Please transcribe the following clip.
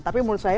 tapi menurut saya